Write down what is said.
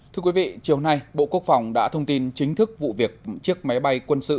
thưa quý vị chiều nay bộ quốc phòng đã thông tin chính thức vụ việc chiếc máy bay quân sự